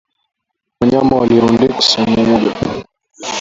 Wanyama walirundikwa sehemu moja